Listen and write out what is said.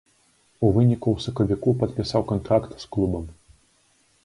У выніку ў сакавіку падпісаў кантракт з клубам.